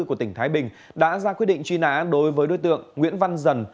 của tỉnh thái bình đã ra quyết định truy nã đối với đối tượng nguyễn văn dần